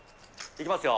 いきますよ。